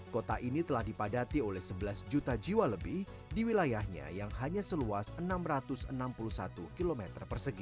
kota ini telah dipadati oleh sebelas juta jiwa lebih di wilayahnya yang hanya seluas enam ratus enam puluh satu km persegi